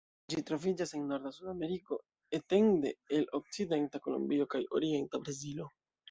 Ĝi troviĝas en norda Sudameriko, etende el okcidenta Kolombio kaj orienta Brazilo.